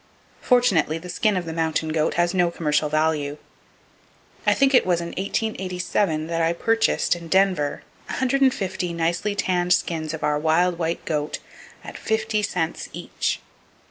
Fortunately, the skin of the mountain goat has no commercial value. I think it was in 1887 that I purchased, in Denver, 150 nicely tanned skins of our wild white goat at fifty cents each!